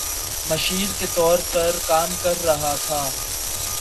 مشیر کے طور پر کام کر رہا تھا